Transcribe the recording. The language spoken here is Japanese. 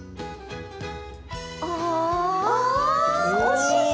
あ惜しい！